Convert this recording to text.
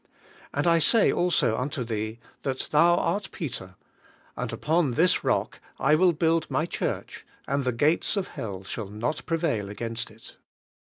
And I say also unto thee that thou art Peter, and upon this rock I will build my church and the gates of hell shall not prevail against it."